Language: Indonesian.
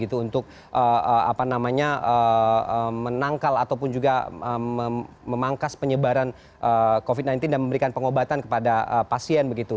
untuk menangkal ataupun juga memangkas penyebaran covid sembilan belas dan memberikan pengobatan kepada pasien begitu